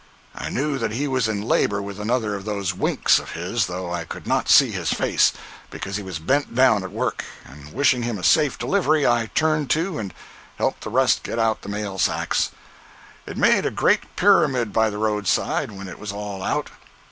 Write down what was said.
I knew that he was in labor with another of those winks of his, though I could not see his face, because he was bent down at work; and wishing him a safe delivery, I turned to and helped the rest get out the mail sacks. It made a great pyramid by the roadside when it was all out.